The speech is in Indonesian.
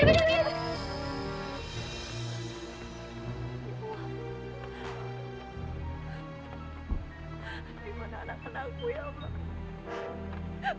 dimana anak anakku ya mbak